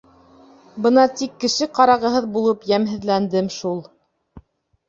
Бына тик кеше ҡарағыһыҙ булып йәмһеҙләндем шул.